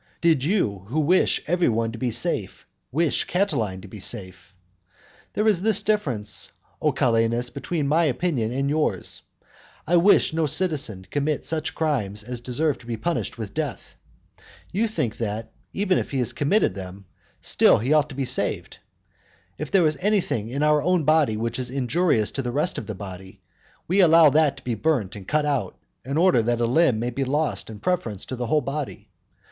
Did you who wish every one to be safe, wish Catiline to be safe? There is this difference, O Calenus, between my opinion and yours. I wish no citizen to commit such crimes as deserve to be punished with death. You think that, even if he has committed them, still he ought to be saved. If there is anything in our own body which is injurious to the rest of the body, we allow that to be burnt and cut out, in order that a limb may be lost in preference to the whole body.